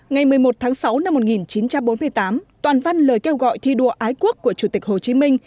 ngày một mươi một tháng sáu năm một nghìn chín trăm bốn mươi tám toàn văn lời kêu gọi thi đua ái quốc của chủ tịch hồ chí minh